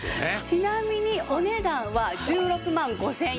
ちなみにお値段は１６万５０００円だそうです。